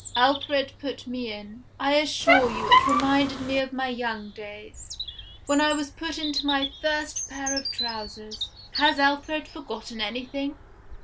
Alfred put me in. I assure you it reminded me of my young days, when I was put into my first pair of trousers. Has Alfred forgotten anything?